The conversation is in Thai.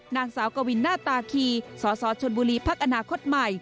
นางสาวกวินหน้าตาคีสสชนบุรีพักอนาคตใหม่